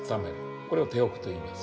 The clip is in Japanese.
これを手浴といいます。